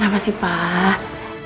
kenapa sih pak